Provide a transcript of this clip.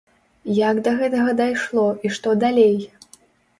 Як да гэтага дайшло і што далей?